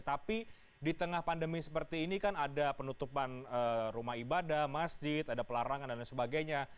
tapi di tengah pandemi seperti ini kan ada penutupan rumah ibadah masjid ada pelarangan dan lain sebagainya